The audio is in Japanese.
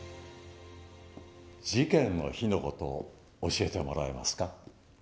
事件の日の事を教えてもらえますか？